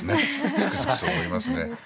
つくづくそう思います。